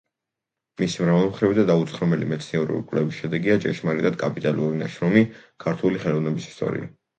მისი მრავალმხრივი და დაუცხრომელი მეცნიერული კვლევის შედეგია ჭეშმარიტად კაპიტალური ნაშრომი „ქართული ხელოვნების ისტორია“.